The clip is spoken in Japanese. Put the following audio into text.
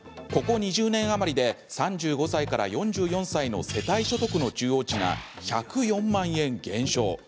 ここ２０年余りで３５歳から４４歳の世帯所得の中央値が１０４万円減少。